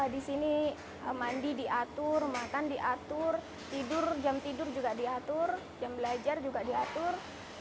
di sini mandi diatur makan diatur tidur jam tidur juga diatur jam belajar juga diatur